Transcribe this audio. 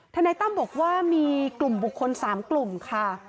นายตั้มบอกว่ามีกลุ่มบุคคล๓กลุ่มค่ะ